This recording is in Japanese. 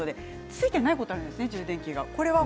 ついていないことがあるんですね。